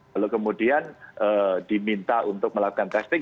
lalu kemudian diminta untuk melakukan testing